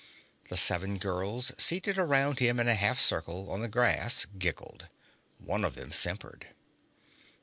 The seven girls seated around him in a half circle on the grass giggled. One of them simpered.